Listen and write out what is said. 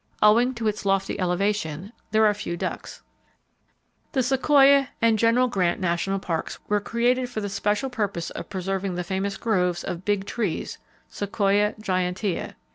Owing to its lofty elevation, there are few ducks. [Page 344] The Sequoia And General Grant National Parks were created for the special purpose of preserving the famous groves of "big trees," (Sequoia gigantea).